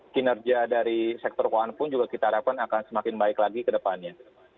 kinerja dari sektor keuangan pun juga kita harapkan akan semakin baik lagi ke depannya